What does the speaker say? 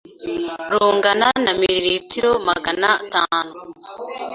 rungana na miri ritiro magana tanu